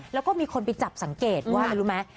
แล้วก็มีคนไปจับสังเกตว่ารู้มั้ย